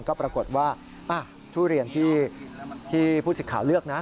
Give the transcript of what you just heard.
ก็ปรากฏว่าทุเรียนที่ผู้สิทธิ์ข่าวเลือกนะ